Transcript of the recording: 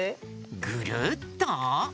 ぐるっと？